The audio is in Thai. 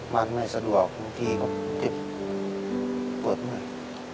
มันไม่สะดวกทีก็เจ็บเกิดมาก